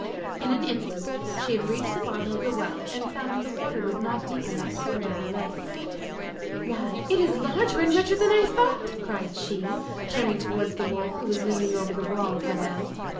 In an instant she had reached the bottom of the well, and found that the water was not deep enough to cover her legs. 'Why, it is larger and richer than I thought,' cried she, turning towards the wolf, who was leaning over the wall of the well.